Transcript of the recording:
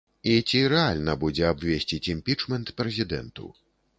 І ці рэальна будзе абвесціць імпічмент прэзідэнту.